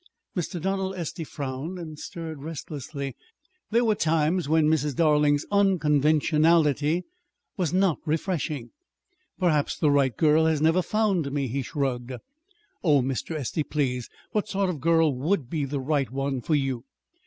Mr. Donald Estey frowned and stirred restlessly there were times when Mrs. Darling's unconventionality was not "refreshing." "Perhaps the right girl has never found me," he shrugged. "Oh, Mr. Estey, please, what sort of a girl would be the right one for you?"